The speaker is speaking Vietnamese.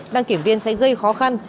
đăng kiểm viên sẽ gây khó khăn